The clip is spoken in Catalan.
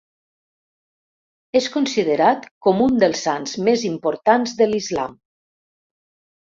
És considerat com un dels sants més importants de l'islam.